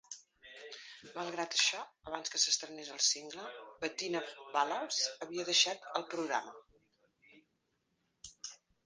Malgrat això, abans que s'estrenés el single, Bettina Ballhaus havia deixat el programa.